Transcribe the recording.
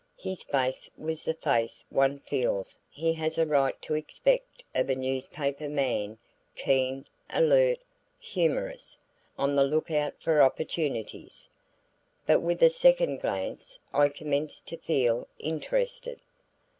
His face was the face one feels he has a right to expect of a newspaper man keen, alert, humorous; on the look out for opportunities. But with a second glance I commenced to feel interested.